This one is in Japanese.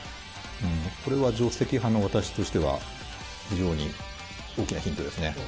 これは定跡派の私としては、非常に大きなヒントですね。